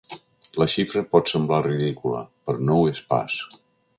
La xifra pot semblar ridícula, però no ho és pas.